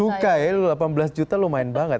duka ya delapan belas juta lumayan banget